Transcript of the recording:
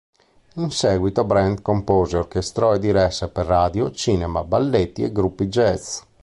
In seguito Brant compose, orchestrò e diresse per radio, cinema, balletti e gruppi jazz.